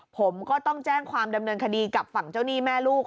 ผมก็ต้องแจ้งความดำเนินคดีกับฝั่งเจ้าหนี้แม่ลูก